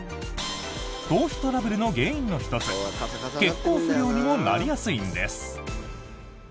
頭皮トラブルの原因の１つ血行不良にもなりやすいんです。